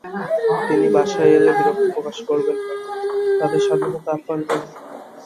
তাঁরা বাসায় এলে বিরক্তি প্রকাশ করবেন না, তাঁদের সাধ্যমতো আপ্যায়ন করুন।